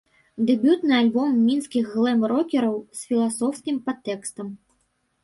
Дэбютны альбом мінскіх глэм-рокераў з філасофскім падтэкстам.